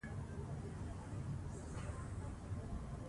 کندهار پرېښودل سو.